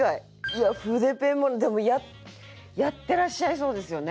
いや筆ペンもでもやってらっしゃいそうですよね。